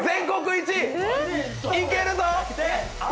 いけるぞ！